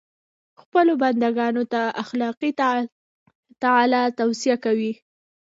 خپلو بنده ګانو ته اخلاقي تعالي توصیه کوي.